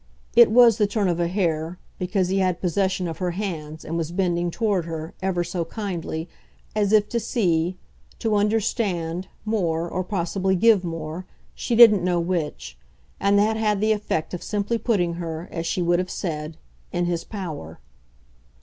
It was the turn of a hair, because he had possession of her hands and was bending toward her, ever so kindly, as if to see, to understand, more, or possibly give more she didn't know which; and that had the effect of simply putting her, as she would have said, in his power.